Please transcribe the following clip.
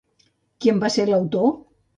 Qui en va ser l'autor?